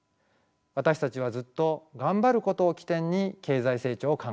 私たちはずっとがんばることを起点に経済成長を考えてきました。